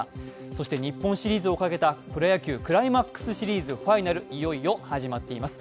そして日本シリーズをかけたプロ野球クライマッスクスシリーズファイナルいよいよ始まっています。